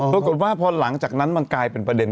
ถูกหัวว่าหลังจากนั้นมันกลายเป็นประเด็น